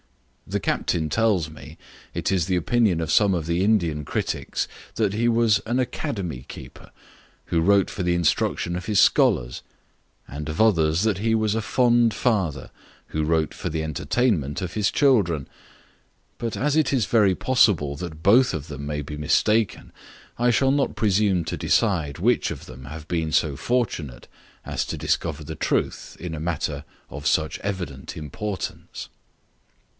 The captain tells me, it is the opinion of some of the Indian criticks, that he was an academy keeper, who wrote for the instruction of his scholars; and of others, that he was a fond father who wrote for the entertainment of his children; but as it is very possible that both of them may be mistaken, I shall not presume to decide which of them have been so fortunate as to discover the truth in a matter of such evident importance.